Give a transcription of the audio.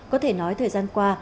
có thể nói thời gian qua